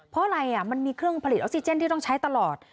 เพราะอะไรมันมีเครื่องผลิตออกซิเจนที่ต้องใช้ตลอด